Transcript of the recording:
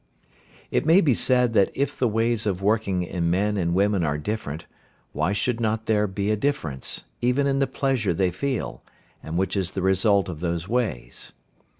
It may be said that if the ways of working in men and women are different, why should not there be a difference, even in the pleasure they feel, and which is the result of those ways.